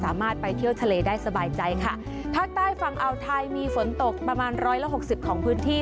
ไปเที่ยวทะเลได้สบายใจค่ะภาคใต้ฝั่งอาวไทยมีฝนตกประมาณร้อยละหกสิบของพื้นที่